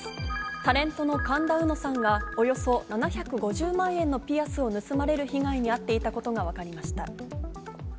タレントの神田うのさんがおよそ７５０万円のピアスを盗まれる被害に遭っていたことが分かりました。